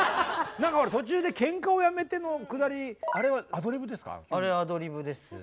何かほら途中で「けんかをやめて」のくだりあれはアドリブですか？